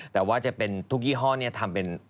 แต่ว่าจะเป็นทุกยี่ห้อนี้ทำเป็น